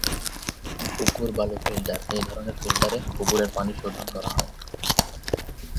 পুকুর বালু ফিল্টার এ ধরনের ফিল্টারে পুকুরের পানি শোধন করা হয়।